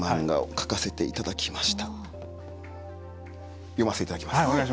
読ませていただきます。